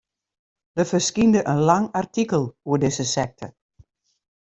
Der ferskynde in lang artikel oer dizze sekte.